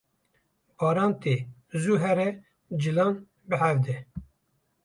Baran tê zû here cilan bihevde.